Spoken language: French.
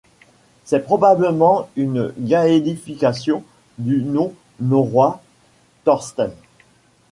C'est probablement une Gaelification du nom norrois Thorstein.